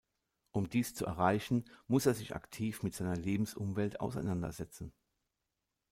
Um dies zu erreichen, muss er sich aktiv mit seiner Lebensumwelt auseinandersetzen.